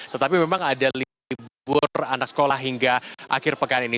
tetapi memang ada libur anak sekolah hingga akhir pekan ini